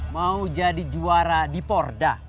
mau jadi juara di porda